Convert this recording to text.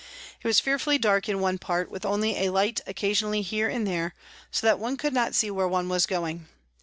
It was fearfully dark in one part, with only a light occasionally here and there, so that one could not see where one was going.